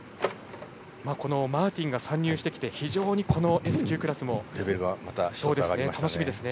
このマーティンが参入してきて非常に、このＳ９クラスも楽しみですね。